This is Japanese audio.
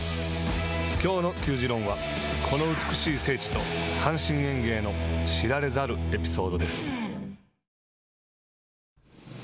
きょうの球自論はこの美しい聖地と阪神園芸の知られざるエピソードです。